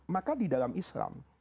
maka di dalam islam